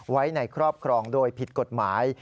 ไว้ในครอบครองโดยผิดกฎหมาย